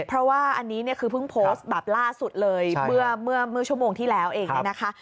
เพราะว่าอันนี้เนี่ยคือเพิ่งโพสต์แบบล่าสุดเลยเมื่อชั่วโมงที่แล้วเองเนี่ยนะคะ